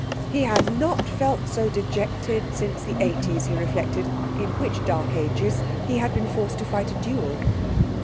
He had not felt so dejected since the eighties, he reflected, in which dark ages he had been forced to fight a duel.